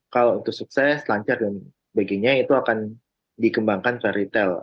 kalau itu sukses lancar dan baginya itu akan dikembangkan ke retail